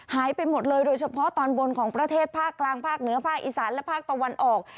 หายไปหมดเลยโดยเฉพาะตอนบนของประเทศภาคกลางภาคเหนือภาคอีสานและภาคตะวันออก